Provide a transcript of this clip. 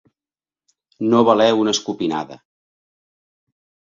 No valer una escopinada.